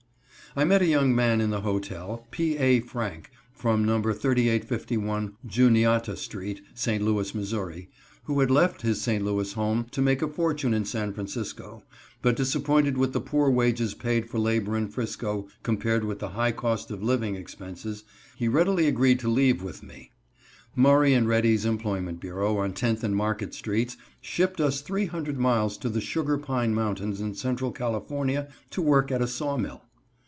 I met a young man in the hotel, P. A. Franck, from No. 3851 Juniata street, St. Louis, Mo., who had left his St. Louis home to make a fortune in San Francisco, but disappointed with the poor wages paid for labor in 'Frisco compared with the high cost of living expenses, he readily agreed to leave with me. Murray & Ready's Employment Bureau, on Tenth and Market streets, shipped us three hundred miles to the Sugar Pine Mountains, in central California to work at a saw mill.